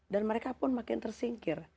dan mereka pun makin tersingkir